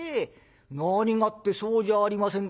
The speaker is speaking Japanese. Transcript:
何がってそうじゃありませんか。